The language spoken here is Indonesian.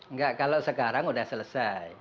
enggak kalau sekarang sudah selesai